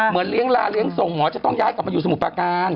เหมือนเลี่ยงราเลี่ยงส่งเหรอจะต้องย้ายกลับมาอยู่สมุปากาน